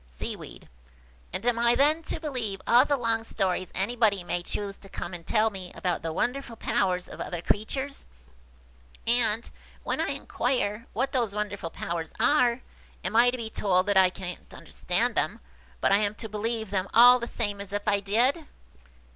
Seaweed. "And am I then to believe all the long stories anybody may choose to come and tell me about the wonderful powers of other creatures?–and, when I inquire what those wonderful powers are, am I to be told that I can't understand them, but am to believe them all the same as if I did?"